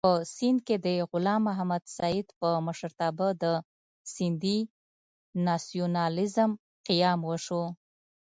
په سېند کې د غلام محمد سید په مشرتابه د سېندي ناسیونالېزم قیام وشو.